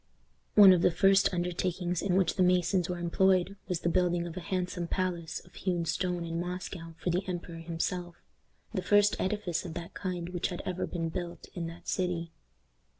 One of the first undertakings in which the masons were employed was the building of a handsome palace of hewn stone in Moscow for the emperor himself, the first edifice of that kind which had ever been built in that city.